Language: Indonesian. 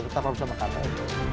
tetap bersama kami